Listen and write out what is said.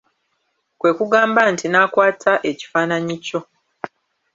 Kwe kugamba nti n'akwata ekifaananyi kyo.